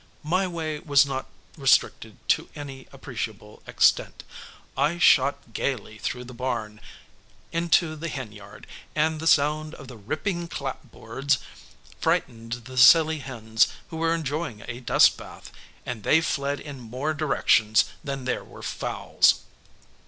My way was not restricted to any appreciable extent. I shot gayly through the barn into the hen yard, and the sound of the ripping clapboards frightened the silly hens who were enjoying a dust bath, and they fled in more directions than there were fowls.